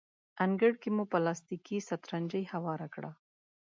انګړ کې مو پلاستیکي سترنجۍ هواره کړه.